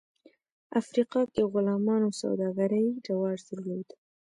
افریقا کې غلامانو سوداګري رواج درلود.